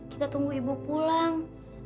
kita tunggu ibu pulang